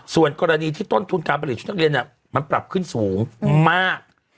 ส่วนกรณีที่ต้นทุนการผลิตชุดนักเรียนมันปรับขึ้นสูงมาก